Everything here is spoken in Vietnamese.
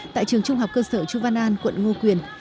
tại trường trung học cơ sở trung văn an quận ngo quyền